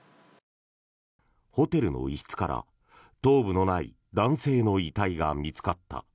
ホテルの一室から頭部のない男性の遺体が見つかった。